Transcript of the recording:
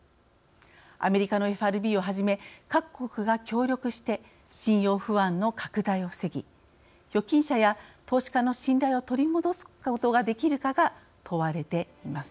アメリカのＦＲＢをはじめ各国が協力して信用不安の拡大を防ぎ預金者や投資家の信頼を取り戻すことができるかが問われています。